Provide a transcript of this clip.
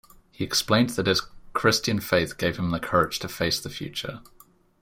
He explained that his Christian faith gave him the courage to face the future.